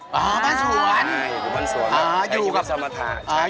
อ๋อบ้านสวนครับอยู่บ้านสวนครับอยู่กับธรรมชาติอ๋อบ้านสวน